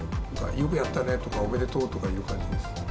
よくやったねとか、おめでとうとかいう感じです。